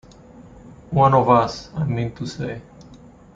One of us, I mean to say.